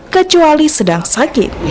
kecuali sedang sakit